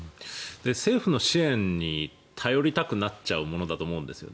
政府の支援に頼りたくなっちゃうものだと思うんです。